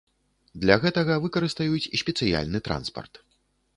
Для гэтага выкарыстаюць спецыяльны транспарт.